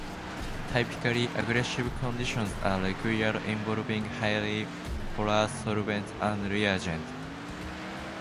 Typically aggressive conditions are required involving highly polar solvents and reagents.